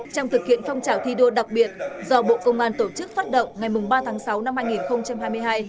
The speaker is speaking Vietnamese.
trong thực hiện phong trào thi đua đặc biệt do bộ công an tổ chức phát động ngày ba tháng sáu năm hai nghìn hai mươi hai